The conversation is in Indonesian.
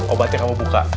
obatnya kamu buka